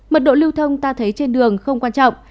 mật độ lưu thông ta thấy trên đường không quan trọng